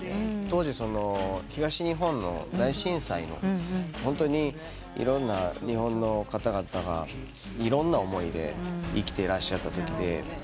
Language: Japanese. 当時東日本大震災のホントにいろんな日本の方々がいろんな思いで生きてらっしゃったときで。